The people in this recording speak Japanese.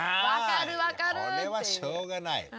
これはしょうがない。